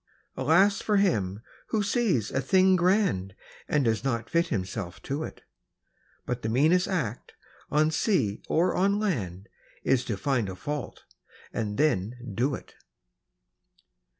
Alas for him who sees a thing grand And does not fit himself to it! But the meanest act, on sea or on land, Is to find a fault, and then do it!